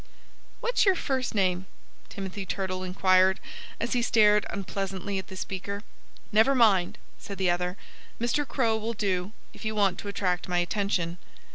"What's your first name?" Timothy Turtle inquired, as he stared unpleasantly at the speaker. "Never mind!" said the other. "Mr. Crow will do, if you want to attract my attention."